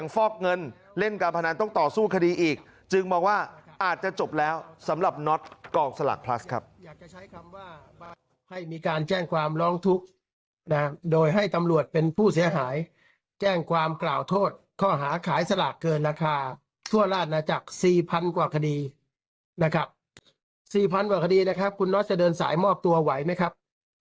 ฟอกเงินเล่นการพนันต้องต่อสู้คดีอีกจึงบอกว่าอาจจะจบแล้วสำหรับน็อตกองสลากพลัสครับ